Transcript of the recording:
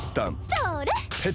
それ！